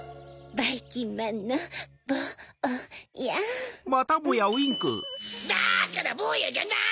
だからぼうやじゃない！